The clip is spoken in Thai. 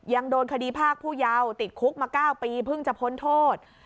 ยังโดนคดีภาคผู้เยาว์ติดคุกมา๙ปีเพิ่งจะพ้นโทษ